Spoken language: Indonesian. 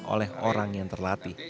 oleh orang yang terlatih